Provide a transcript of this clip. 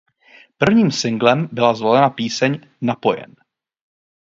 Prvním singlem byla zvolena píseň „Napojen“.